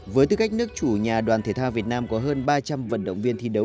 với tư cách nước chủ nhà đoàn thể thao việt nam có hơn ba trăm linh vận động viên thi đấu